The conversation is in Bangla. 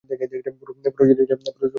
পুরো জিনিসটা দেখেছি।